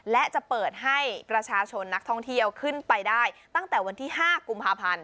และจะเปิดให้ประชาชนนักท่องเที่ยวขึ้นไปได้ตั้งแต่วันที่๕กุมภาพันธ์